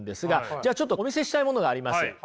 じゃあちょっとお見せしたいものがあります。